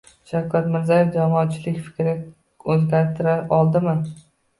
Shavkat Mirziyoyev jamoatchilik fikrini o'zgartira oldimi?